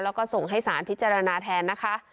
และส่งให้สารพิจารณาแทน